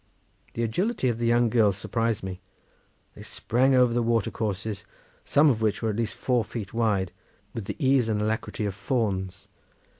The agility of the young girls surprised me; they sprang over the water courses, some of which were at least four feet wide, with the ease and alacrity of fawns.